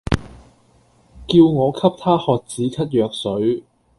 叫我給她喝止咳藥水